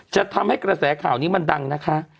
จะทำให้กระแสข่าวนี้มันดังนะคะ